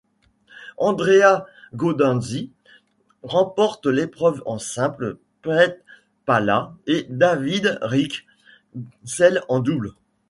Andrea Gaudenzi remporte l'épreuve en simple, Petr Pála et David Rikl celle en double.